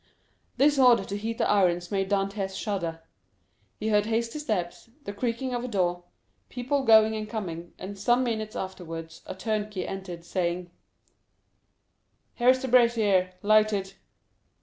This order to heat the irons made Dantès shudder. He heard hasty steps, the creaking of a door, people going and coming, and some minutes afterwards a turnkey entered, saying: "Here is the brazier, lighted."